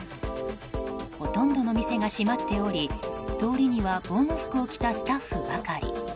ほとんどの店が閉まっており通りには防護服を着たスタッフばかり。